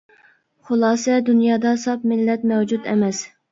خۇلاسە دۇنيادا ساپ مىللەت مەۋجۇت ئەمەس.